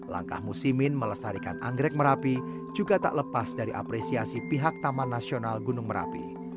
langkah musimin melestarikan anggrek merapi juga tak lepas dari apresiasi pihak taman nasional gunung merapi